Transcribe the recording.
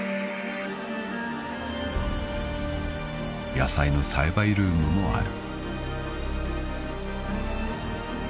［野菜の栽培ルームもある］